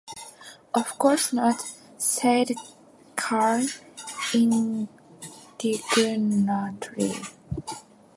"Of course not," said Cal indignantly.